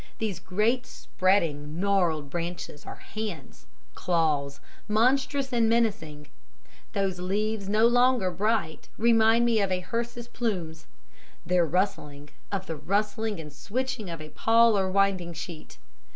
These great spreading, gnarled branches are hands, claws monstrous and menacing; those leaves no longer bright remind me of a hearse's plumes; their rustling of the rustling and switching of a pall or winding sheet.